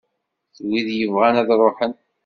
D wid yebɣan ad ruḥen.